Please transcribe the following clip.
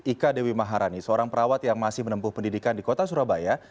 ika dewi maharani seorang perawat yang masih menempuh pendidikan di kota surabaya